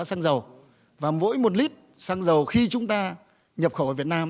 giá xăng dầu và mỗi một lít xăng dầu khi chúng ta nhập khẩu ở việt nam